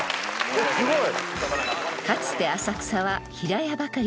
すごい。